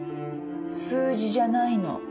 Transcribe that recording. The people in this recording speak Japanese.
数字じゃないの。